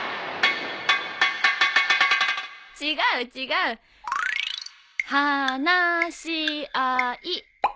違う違う。話し合い。